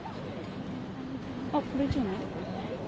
あっ、これじゃない？